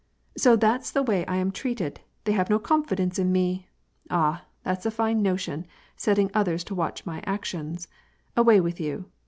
''So that's the way I am treated! They have no confidence in me! Ah, that's a fine notion, setting others to watch my actions! Away with you."